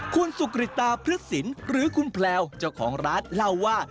คุณสุกริตตาพฤษศิลป์หรือคุณแพลวเจ้าของร้านเล่าว่า